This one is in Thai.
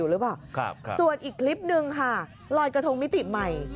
ใจเง็อร์ครับส่วนอีกคลิปหนึ่งค่ะลอยกระทงมิติใหม่